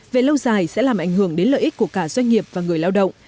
về lâu dài sẽ làm ảnh hưởng đến lợi ích của cả doanh nghiệp và người lao động